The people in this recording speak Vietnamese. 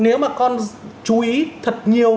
nếu mà con chú ý thật nhiều